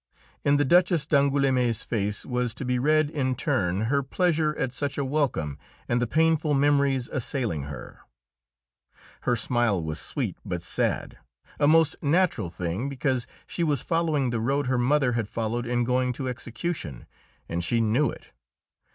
In the Duchess d'Angoulême's face was to be read in turn her pleasure at such a welcome and the painful memories assailing her. Her smile was sweet but sad a most natural thing, because she was following the road her mother had followed in going to execution, and she knew it.